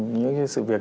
những cái sự việc